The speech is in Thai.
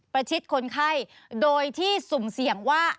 ประชิดคนไข้โดยที่สุ่มเสี่ยงว่า